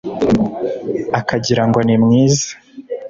Akagira ngo ni mwiza